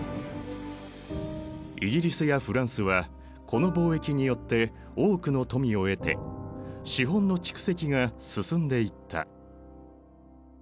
イギリスやフランスはこの貿易によって多くの富を得て資本の蓄積が進んでいった。